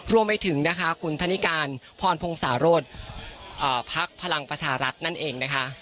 รวมไปถึงนะคะคุณธนิการพรพงศาโรธพักพลังประชารัฐนั่นเองนะคะ